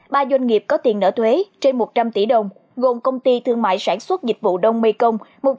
ba doanh nghiệp có tiền nợ thuế trên một trăm linh tỷ đồng gồm công ty thương mại sản xuất dịch vụ đông mê công